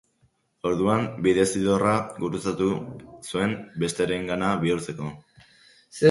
Orduan bidezidorra gurutzatu zuen besteengana bihurtzeko.